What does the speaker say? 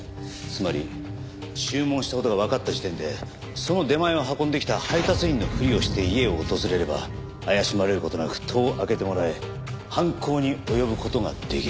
つまり注文した事がわかった時点でその出前を運んできた配達員のふりをして家を訪れれば怪しまれる事なく戸を開けてもらえ犯行に及ぶ事ができる。